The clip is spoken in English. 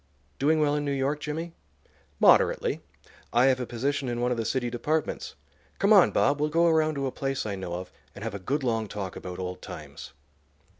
"Doing well in New York, Jimmy?" "Moderately. I have a position in one of the city departments. Come on, Bob; we'll go around to a place I know of, and have a good long talk about old times."